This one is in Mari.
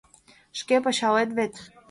— Шке пычалет вет.